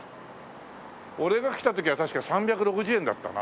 俺が来た時は確か３６０円だったな。